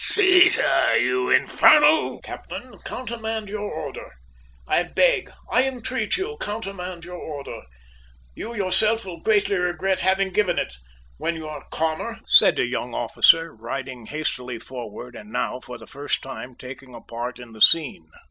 Seize her, you infernal " "Captain, countermand your order! I beg, I entreat you, countermand your order! You yourself will greatly regret having given it, when you are calmer," said a young officer, riding hastily forward, and now, for the first time, taking a part in the scene.